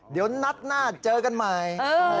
เดี๋ยวนัดหน้าเจอกันใหม่